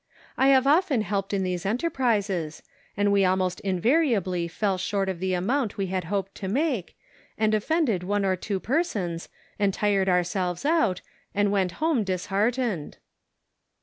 75 I have often helped in these enterprises, and we almost invariably fell short of the amount we had hoped to make, and offended one or two persons, and tired ourselves out, and went home disheartened."